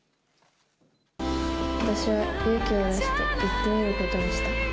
私は勇気を出して行ってみることにした。